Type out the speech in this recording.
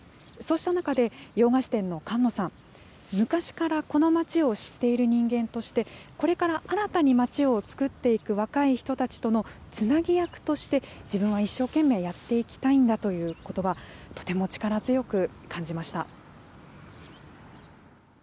そうした中で、洋菓子店の菅野さん、昔からこの町を知っている人間として、これから新たに町を作っていく若い人たちのつなぎ役として、自分は一生懸命やっていきたいんだということば、とても力強く感じま